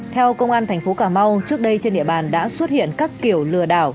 theo công an thành phố cà mau trước đây trên địa bàn đã xuất hiện các kiểu lừa đảo